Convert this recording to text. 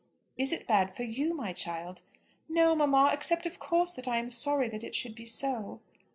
"Is it bad for you, my child?" "No, mamma; except of course that I am sorry that it should be so."